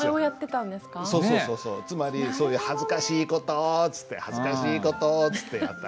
つまりそういうはずかしいことっつってはずかしいことっつってやった訳。